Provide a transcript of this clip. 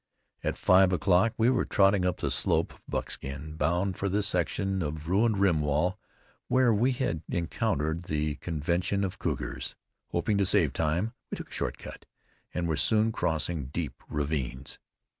At five o'clock we were trotting up the slope of Buckskin, bound for the section of ruined rim wall where we had encountered the convention of cougars. Hoping to save time, we took a short cut, and were soon crossing deep ravines.